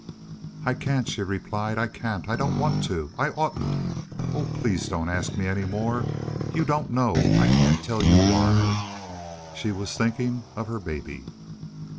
"I can't," she replied. "I can't. I don't want to. I oughtn't. Oh, please don't ask me any more. You don't know. I can't tell you why." She was thinking of her baby.